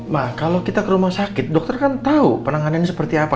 nah kalau kita ke rumah sakit dokter kan tahu penanganannya seperti apa